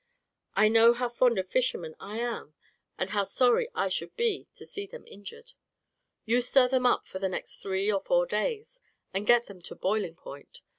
You know how fond of fishermen I am, and how sorry I should be to see them injured. You stir them up for the next three or four days, and get them to boiling point.